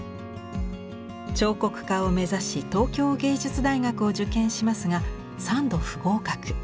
彫刻家を目指し東京藝術大学を受験しますが３度不合格。